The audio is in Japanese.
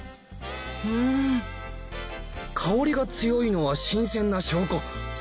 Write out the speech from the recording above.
ウン香りが強いのは新鮮な証拠